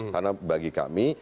karena bagi kami